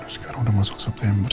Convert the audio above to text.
sekarang udah masuk september